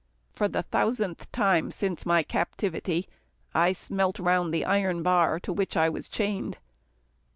For the thousandth time since my captivity, I smelt round the iron bar to which I was chained.